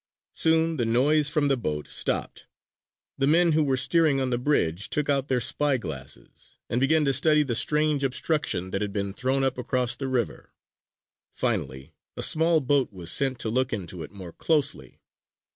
Soon the noise from the boat stopped. The men who were steering on the bridge took out their spy glasses and began to study the strange obstruction that had been thrown up across the river. Finally a small boat was sent to look into it more closely.